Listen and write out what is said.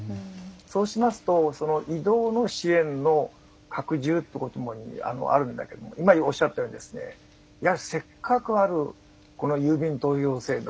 そうしますと移動の支援の拡充ということもあるんだけれども今おっしゃったようにせっかくあるこの郵便投票制度